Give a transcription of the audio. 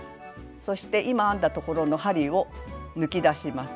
そして今編んだところの針を抜き出します。